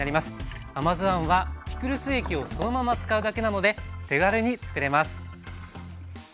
甘酢あんはピクルス液をそのまま使うだけなので手軽につくれます。